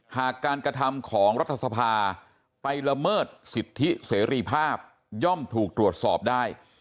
หากการกระทำของรัฐสภาไปละเมิดสิทธิเสรีภาพย่อมถูกตรวจสอบได้